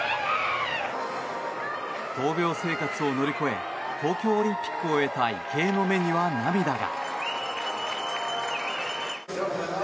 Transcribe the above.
闘病生活を乗り越え東京オリンピックを終えた池江の目には涙が。